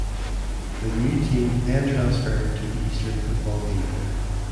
The new team then transferred to the Eastern Football League.